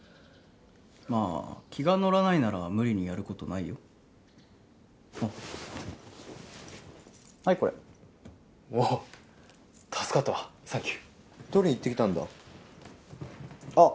まぁ気が乗らないなら無理にやることないよあっはいこれああ助かったわサンキュ取り行ってきたんだあっ